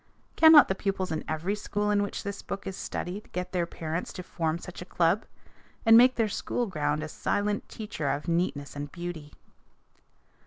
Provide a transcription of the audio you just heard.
Cannot the pupils in every school in which this book is studied get their parents to form such a club, and make their school ground a silent teacher of neatness and beauty?